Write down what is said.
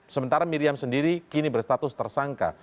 sementara miriam sendiri kini berstatus tersangka